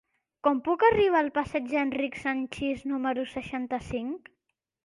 Com puc arribar al passeig d'Enric Sanchis número seixanta-cinc?